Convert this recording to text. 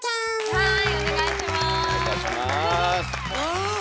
はい。